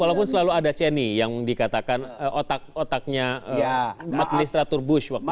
walaupun selalu ada cenny yang dikatakan otak otaknya administratur bush waktu itu